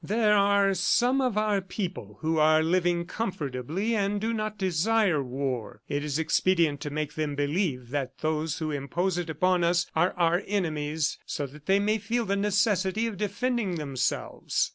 There are some of our people who are living comfortably and do not desire war. It is expedient to make them believe that those who impose it upon us are our enemies so that they may feel the necessity of defending themselves.